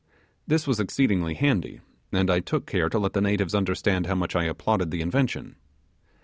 This was exceedingly handy, and I took care to let the natives understand how much I applauded the invention.